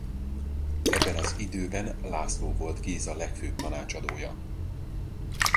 Ebben az időben László volt Géza legfőbb tanácsadója.